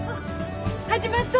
始まっぞ！